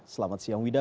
selamat siang wida